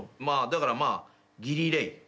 まあだからまあギリーレイ。